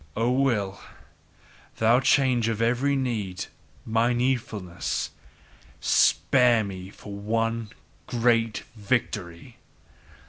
O Will, thou change of every need, MY needfulness! Spare me for one great victory!